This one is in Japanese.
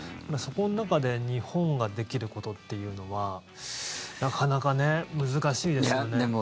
そこの中で日本ができることっていうのはなかなかね、難しいですよね。